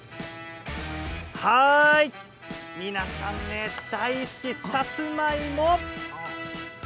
皆さん大好きさつまいも。